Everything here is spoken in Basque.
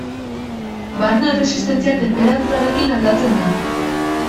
Barne erresistentzia tenperaturarekin aldatzen da.